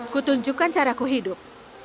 kutunjukkan cara aku hidup